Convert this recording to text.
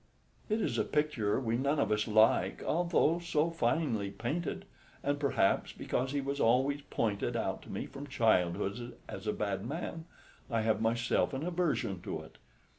It is a picture we none of us like, although so finely painted; and perhaps because he was always pointed out to me from childhood as a bad man, I have myself an aversion to it.